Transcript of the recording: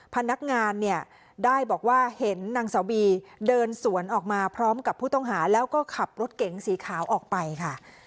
พนักงานเนี่ยได้บอกว่าเห็นนางสาวบีเดินสวนออกมาพร้อมกับผู้ต้องหาแล้วก็ขับรถเก๋งสีขาวออกไปค่ะ